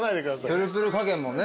プルプル加減もね